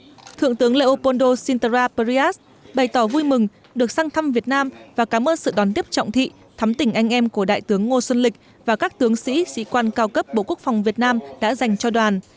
trong đó thượng tướng leopoldo sintara priat bày tỏ vui mừng được sang thăm việt nam và cảm ơn sự đón tiếp trọng thị thắm tỉnh anh em của đại tướng ngô xuân lịch và các tướng sĩ sĩ quan cao cấp bộ quốc phòng việt nam đã dành cho đoàn